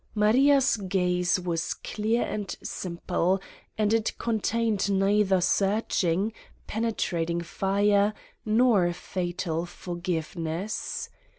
Maria's gaze was clear and simple and it con tained neither searching, penetrating fire nor fatal forgiveness.